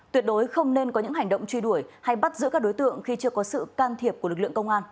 tuyệt đối không nên có những hành động truy đuổi hay bắt giữ các đối tượng khi chưa có sự can thiệp của lực lượng công an